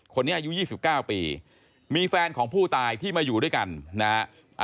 อายุ๒๙ปีมีแฟนของผู้ตายที่มาอยู่ด้วยกันนะฮะ